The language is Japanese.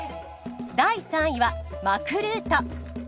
第３位はマクルート。